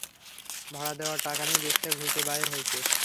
ভাড়া দেওয়ার টাকা নাই, রিকশায় ঘুরতে বাইর হইছে।